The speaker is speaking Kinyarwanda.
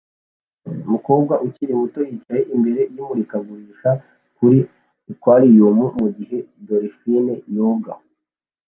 Umukobwa ukiri muto yicaye imbere yimurikagurisha kuri aquarium mugihe dolphine yoga